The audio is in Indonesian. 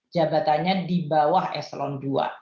jabatannya di bawah eselon dua